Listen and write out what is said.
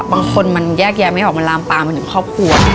บางคนมันแยกแยะไม่ออกมันลามปามมาถึงครอบครัว